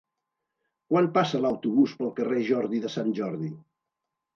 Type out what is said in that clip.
Quan passa l'autobús pel carrer Jordi de Sant Jordi?